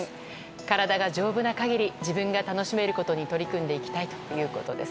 体が丈夫な限り自分が楽しめることに取り組んでいきたいということです。